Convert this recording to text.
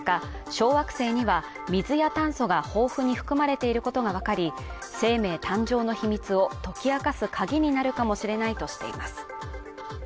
小惑星には水や炭素が豊富に含まれていることが分かり生命誕生の秘密を解き明かす鍵になるかもしれないとしています